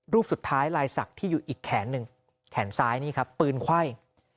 รูปสุดท้ายลายศักดิ์ที่อยู่อีกแขนหนึ่งแขนซ้ายนี่ครับปืนไขว้